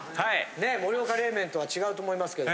ねえ盛岡冷麺とは違うと思いますけど。